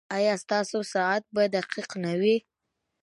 ایا ستاسو ساعت به دقیق نه وي؟